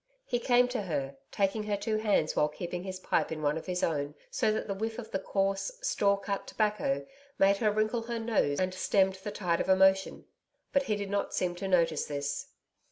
He came to her, taking her two hands while keeping his pipe in one of his own so that the whiff of the coarse 'Store cut' tobacco made her wrinkle her nose and stemmed the tide of emotion. But he did not seem to notice this.